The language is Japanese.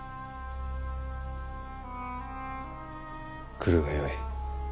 来るがよい。